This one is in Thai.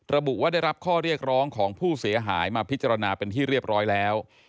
ระบุว่าได้รับข้อเรียกร้องของผู้เสียหายมาพิจารณาเป็นที่เรียบร้อยแล้ว